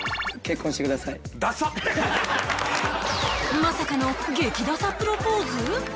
まさかの激ダサプロポーズ！？